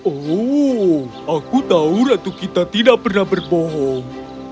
oh aku tahu ratu kita tidak pernah berbohong